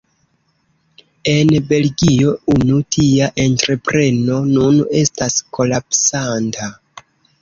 En Belgio unu tia entrepreno nun estas kolapsanta.